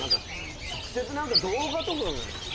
直接動画とか来てて。